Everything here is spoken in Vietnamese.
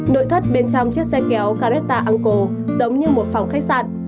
nội thất bên trong chiếc xe kéo caretta anco giống như một phòng khách sạn